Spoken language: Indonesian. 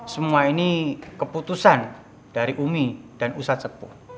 semua ini keputusan dari umi dan ustadz sepuh